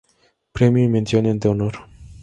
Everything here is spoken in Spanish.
Premio y Mención de Honor.